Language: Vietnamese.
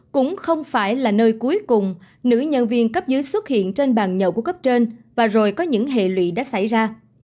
cũng không phải là nơi cuối cùng nữ nhân viên cấp dưới xuất hiện trên bàn nhậu của cấp trên và rồi có những hệ lụy đã xảy ra